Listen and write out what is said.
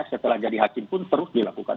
setelah jadi hakim pun terus dilakukan